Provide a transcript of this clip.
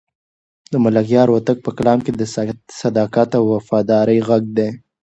د ملکیار هوتک په کلام کې د صداقت او وفادارۍ غږ دی.